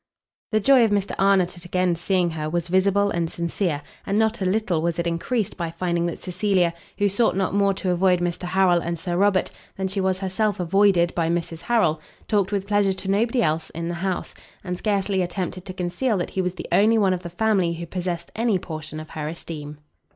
The joy of Mr Arnott at again seeing her, was visible and sincere; and not a little was it encreased by finding that Cecilia, who sought not more to avoid Mr Harrel and Sir Robert, than she was herself avoided by Mrs Harrel, talked with pleasure to nobody else in the house, and scarcely attempted to conceal that he was the only one of the family who possessed any portion of her esteem.